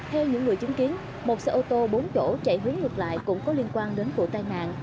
theo những người chứng kiến một xe ô tô bốn chỗ chạy hướng ngược lại cũng có liên quan đến vụ tai nạn